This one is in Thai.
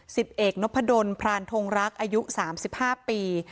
สิบเอกนพดลพรานทงรักอายุ๓๕ปี